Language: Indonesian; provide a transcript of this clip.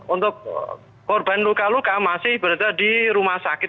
untuk korban luka luka masih berada di rumah sakit